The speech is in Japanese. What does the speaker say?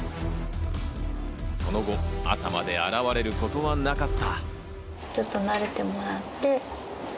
その後、朝まで現れることはなかった。